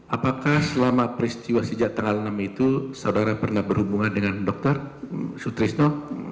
apakah selama peristiwa sejak tanggal enam itu saudara pernah berhubungan dengan dokter sutrisno